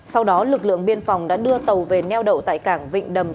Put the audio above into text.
sau đó lực lượng biên phòng đã đưa tàu về neo đậu tại cảng vịnh đầm